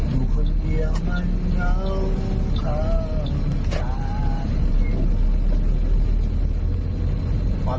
ดูคนเดียวมันเหล้าเขินกลาย